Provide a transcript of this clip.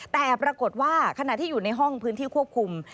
แต่ปรากฏว่าขณะที่อยู่ในห้องพื้นที่ควบคุม